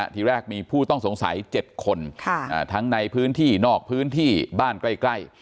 ทีแรกมีผู้ต้องสงสัย๗คนทั้งในพื้นที่นอกพื้นที่บ้านใกล้